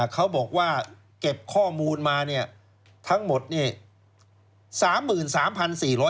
เขาบอกว่าเก็บข้อมูลมาเนี่ยทั้งหมดเนี่ย